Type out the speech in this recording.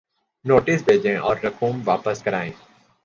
Notices بھیجیں اور رقوم واپس کرائیں۔